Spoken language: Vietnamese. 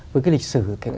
với lịch sử gian